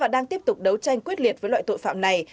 đang tiếp tục đấu tranh quyết liệt với loại tội phạm này